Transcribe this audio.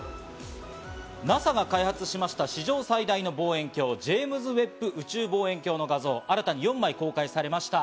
ＮＡＳＡが開発しました史上最大の望遠鏡、ジェイムズ・ウェッブ宇宙望遠鏡の画像を新たに４枚公開されました。